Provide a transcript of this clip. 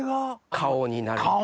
顔になる。